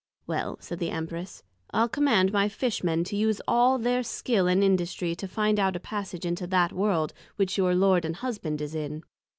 Well, said the Empress, I'le command my Fish men to use all their Skill and Industry to find out a Passage into that World which your Lord and Husband is in.